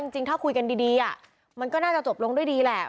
จริงถ้าคุยกันดีมันก็น่าจะจบลงด้วยดีแหละ